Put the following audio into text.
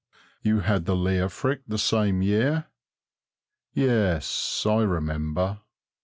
You had the Leofric the same year? Yes, I remember.